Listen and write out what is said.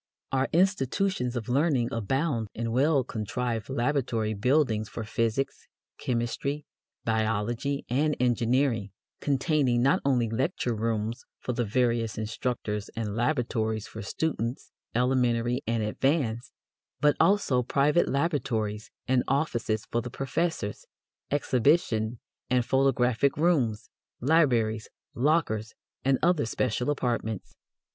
Our institutions of learning abound in well contrived laboratory buildings for physics, chemistry, biology, and engineering, containing not only lecture rooms for the various instructors and laboratories for students elementary and advanced, but also private laboratories and offices for the professors, exhibition and photographic rooms, libraries, lockers, and other special apartments.